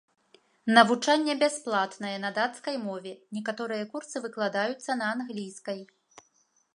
Навучанне бясплатнае, на дацкай мове, некаторыя курсы выкладаюцца на англійскай.